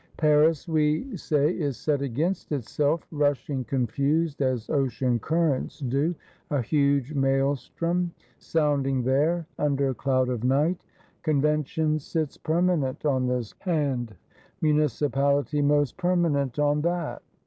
Paris, we say, is set against itself, rushing confused, as Ocean currents do; a huge Mahlstrom, sounding there, under cloud of night. Con vention sits permanent on this hand; Municipality most permanent on that.